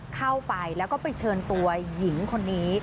เข้าไปแล้วก็ไปเชิญตัวหญิงคนนี้